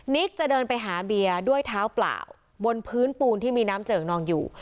จะเดินไปหาเบียร์ด้วยเท้าเปล่าบนพื้นปูนที่มีน้ำเจิ่งนองอยู่